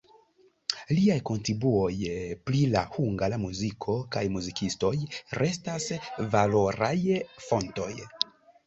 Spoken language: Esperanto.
Liaj kontribuoj pri la hungara muziko kaj muzikistoj restas valoraj fontoj.